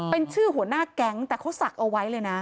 เป็นชื่อหัวหน้าแก๊งแต่เขาศักดิ์เอาไว้เลยนะ